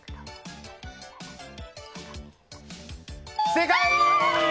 正解！